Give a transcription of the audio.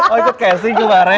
oh ikut casting kemarin